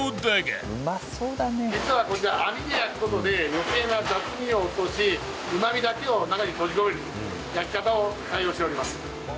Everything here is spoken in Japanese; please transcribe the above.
実はこちら網で焼く事で余計な雑味を落としうまみだけを中に閉じ込める焼き方を対応しております。